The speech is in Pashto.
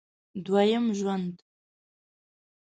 دوه یم ژوند